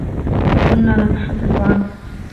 كنا نتحدث عنك.